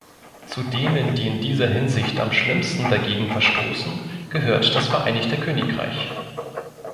Zu denen, die in dieser Hinsicht am schlimmsten dagegen verstoßen, gehört das Vereinigte Königreich.